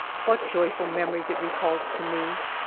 What joyful memories it recalls to me